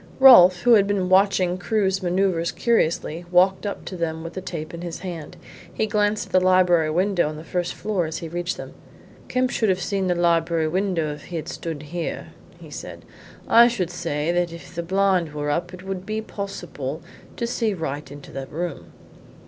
Rolfe, who had been watching Crewe's manoeuvres curiously, walked up to them with the tape in his hand. He glanced at the library window on the first floor as he reached them. "Kemp could have seen the library window if he had stood here," he said. "I should say that if the blind were up it would be possible to see right into the room."